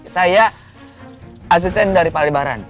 saya asisten dari palibaran